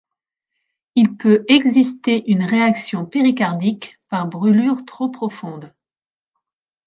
Il peut exister une réaction péricardique par brûlure trop profonde.